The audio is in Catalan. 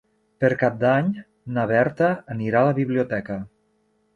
Per Cap d'Any na Berta anirà a la biblioteca.